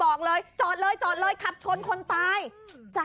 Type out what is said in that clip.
โอ้โห